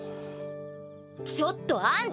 ちょっとあんた！